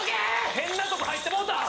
変なとこ入ってもうた！